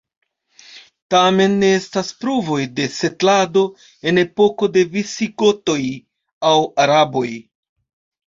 Tamen ne estas pruvoj de setlado en epoko de visigotoj aŭ araboj.